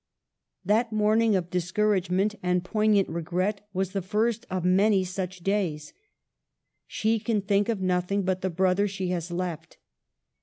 That morning of discouragement and poign ant regret was the first of many such days. She can think of nothing but the brother she has left.